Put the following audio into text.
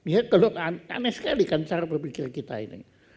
ya kalau aneh sekali kan cara berpikir kita ini